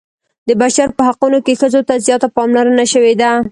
د بشر په حقونو کې ښځو ته زیاته پاملرنه شوې ده.